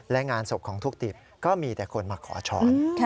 และงานศพของทุกติบก็มีแต่คนมาขอช้อน